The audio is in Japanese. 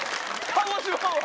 鹿児島は。